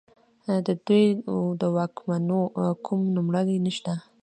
د دوی د واکمنو کوم نوملړ نشته